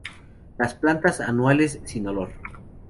Son plantas anuales, sin olor.